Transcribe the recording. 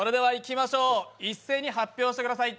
一斉に発表してください。